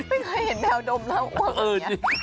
ไม่เคยเห็นแมวดมแล้วเปิดอย่างนี้